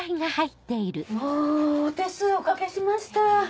お手数おかけしました。